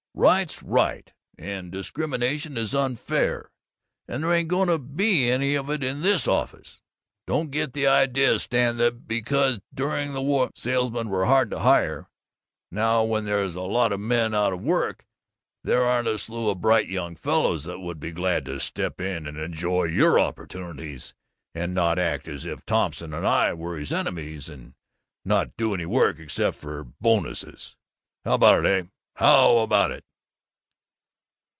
Right's right, and discrimination is unfair, and there ain't going to be any of it in this office! Don't get the idea, Stan, that because during the war salesmen were hard to hire, now, when there's a lot of men out of work, there aren't a slew of bright young fellows that would be glad to step in and enjoy your opportunities, and not act as if Thompson and I were his enemies and not do any work except for bonuses. How about it, heh? How about it?"